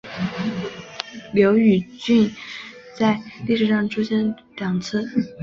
刈羽郡在历史上曾经出现过两次。